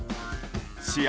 試合